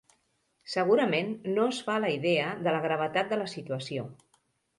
Segurament, no es fa a la idea de la gravetat de la situació.